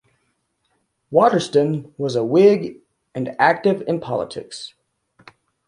Watterston was a Whig and active in politics.